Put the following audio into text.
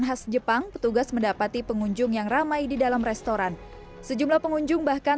khas jepang petugas mendapati pengunjung yang ramai di dalam restoran sejumlah pengunjung bahkan